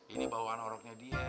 ini bawaan orangnya dia